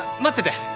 待ってて！